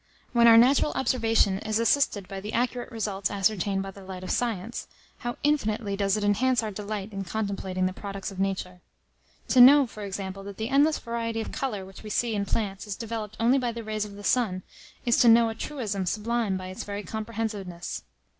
When our natural observation is assisted by the accurate results ascertained by the light of science, how infinitely does it enhance our delight in contemplating the products of nature! To know, for example, that the endless variety of colour which we see in plants is developed only by the rays of the sun, is to know a truism sublime by its very comprehensiveness.